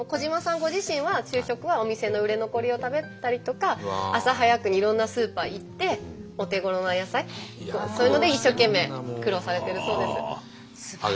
ご自身は昼食はお店の売れ残りを食べたりとか朝早くにいろんなスーパー行ってお手ごろな野菜そういうので一生懸命苦労されてるそうです。